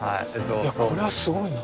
これはすごいな。